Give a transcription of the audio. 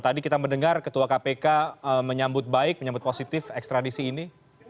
tadi kita mendengar ketua kpk menyambut baik menyambut positif ekstradisi ini